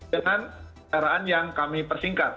dengan caraan yang kami persingkat